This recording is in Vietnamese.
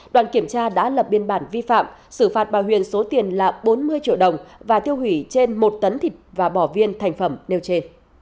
đoàn kiểm tra đã lập biên bản vi phạm xử phạt bà huyền số tiền là bốn mươi triệu đồng và tiêu hủy trên một tấn thịt và bò viên thành phẩm nêu trên